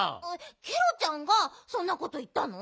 ケロちゃんがそんなこといったの？